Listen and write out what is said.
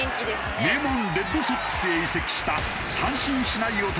名門レッドソックスへ移籍した三振しない男